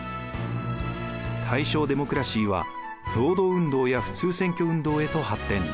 大正デモクラシーは労働運動や普通選挙運動へと発展。